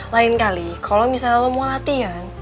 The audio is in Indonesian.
lain kali kalau misalnya lo mau latihan